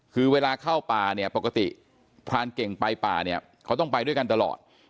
คือเวลาเข้าป่าเนี่ยปกติพรานเก่งไปป่าเนี่ยเขาต้องไปด้วยกันตลอด